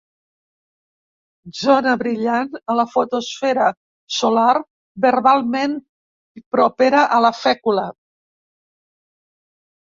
Zona brillant en la fotosfera solar verbalment propera a la fècula.